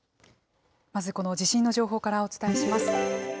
まずこの地震の情報からお伝えします。